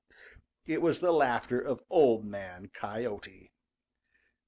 It was the laughter of Old Man Coyote.